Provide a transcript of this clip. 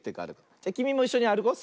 じゃきみもいっしょにあるこう。